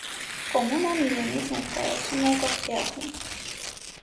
Կոմունան իրենից ներկայացնում է կղզիախումբ։